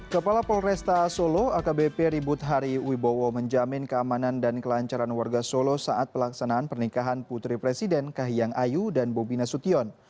kepala polresta solo akbp ribut hari wibowo menjamin keamanan dan kelancaran warga solo saat pelaksanaan pernikahan putri presiden kahiyang ayu dan bobi nasution